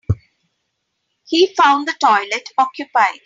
He found the toilet occupied.